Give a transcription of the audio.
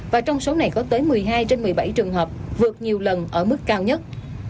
và trong số này có tới một mươi hai trên một mươi bảy trường hợp vượt nhiều lần ở mức cao nhất